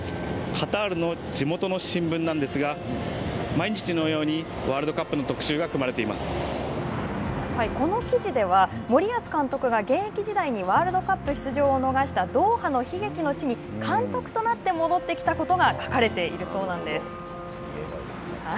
カタールの地元の新聞なんですが毎日のようにワールドカップの特集がこの記事では、森保監督が現役時代にワールドカップ出場を逃したドーハの悲劇の地に監督となって戻ってきたことが書かれているそうなんです。